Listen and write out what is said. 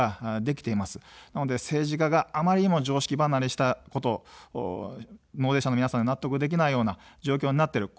なので政治家があまりにも常識離れしたこと、納税者の皆さんが納得できないような状況になっている。